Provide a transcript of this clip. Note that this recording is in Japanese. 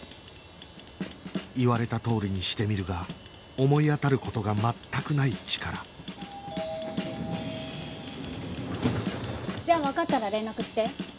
言われたとおりにしてみるが思い当たる事が全くないチカラじゃあわかったら連絡して。